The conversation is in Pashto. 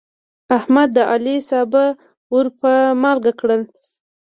احمد د علي سابه ور په مالګه کړل.